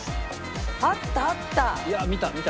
あったあった。